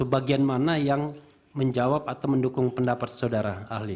bagian mana yang menjawab atau mendukung pendapat saudara ahli